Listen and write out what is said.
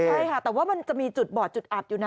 ใช่ค่ะแต่ว่ามันจะมีจุดบอดจุดอับอยู่นะ